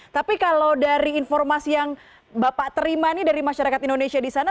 tapi kalau dari informasi yang bapak terima nih dari masyarakat indonesia di sana